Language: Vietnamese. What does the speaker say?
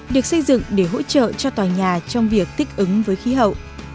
được xây dựng để hỗ trợ cho tòa nhà trong việc thích ứng với khí hậu